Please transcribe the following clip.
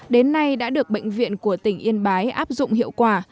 đến nay đã được bệnh viện của tỉnh yên bái áp dụng hiệu quả